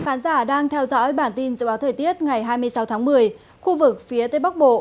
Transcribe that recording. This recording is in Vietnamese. quý khán giả đang theo dõi bản tin dự báo thời tiết ngày hai mươi sáu tháng một mươi khu vực phía tây bắc bộ